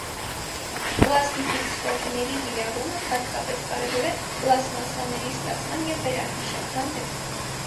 Պլաստիֆիկստորների կիրառումը հատկապես կարևոր է պլաստմասսաների ստացման և վերամշակման դեպքում։